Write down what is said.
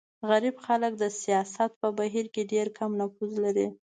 غریب خلک د سیاست په بهیر کې ډېر کم نفوذ لري.